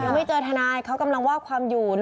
ไม่เจอทนายเขากำลังว่าความอยู่